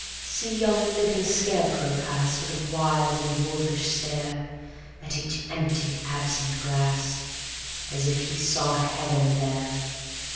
See yon living scarecrow pass With a wild and wolfish stare At each empty absinthe glass, As if he saw Heaven there.